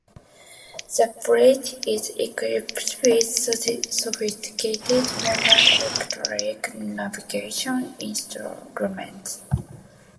The bridge is equipped with sophisticated modern electronic navigation instruments.